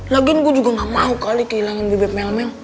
lagian gue juga gak mau kali kehilangan bebek melmel